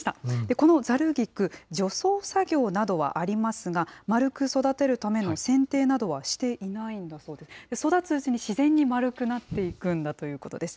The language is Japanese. このざる菊、除草作業などはありますが、丸く育てるためのせん定などはしていないんだそうで、育つうちに自然に丸くなっていくんだということです。